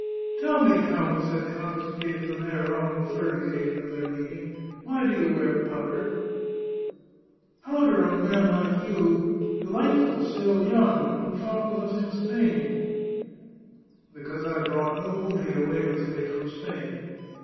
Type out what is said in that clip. " Tell me, count," said Countess Pietranera on the third occasion of their meeting, " why you wear powder ? Pow der on a man like you — delightful, still young, and who fought with us in Spain !"" Because I brought no booty away with me from Spain.